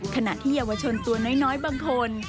ขณะที่เยาวชนตัวน้อยบางคน